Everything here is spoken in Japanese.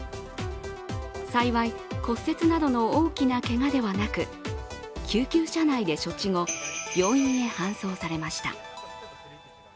幸い、骨折などの大きなけがではなく、救急車内で処置後、病院へ搬送されました。